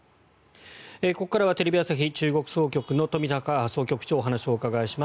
ここからはテレビ朝日中国総局の冨坂総局長にお話をお伺いします。